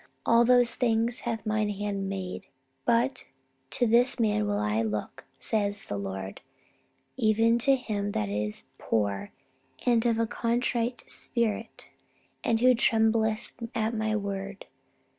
. All those things hath Mine hand made, but to this man will I look, saith the Lord, even to him that is poor and of a contrite spirit, and who trembleth at My word